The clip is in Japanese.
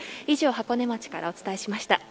以上箱根町からお伝えしました。